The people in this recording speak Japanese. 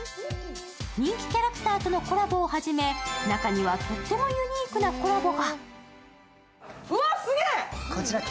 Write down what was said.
人気キャラクターとのコラボをはじめ中にはとってもユニークなコラボが。